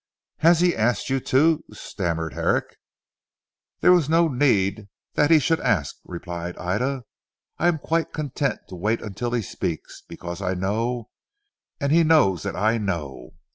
"Has he asked you to " stammered Herrick. "There was no need that he should ask," replied Ida. "I am quite content to wait until he speaks, because I know. And he knows that I know.